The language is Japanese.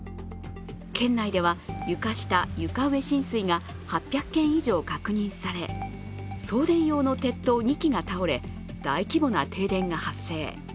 県内では床下・床上浸水が８００軒以上確認され、送電用の鉄塔２基が倒れ大規模な停電が発生。